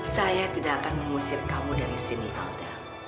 saya tidak akan mengusir kamu dari sini aldha